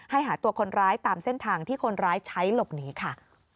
หาตัวคนร้ายตามเส้นทางที่คนร้ายใช้หลบหนีค่ะ